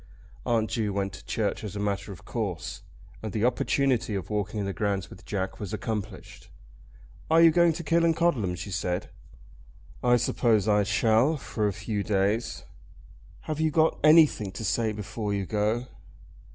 Aunt Ju went to church as a matter of course, and the opportunity of walking in the grounds with Jack was accomplished. "Are you going to Killancodlem?" she said. "I suppose I shall, for a few days." "Have you got anything to say before you go?"